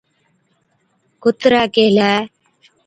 ڪُتري ڪيهلَي،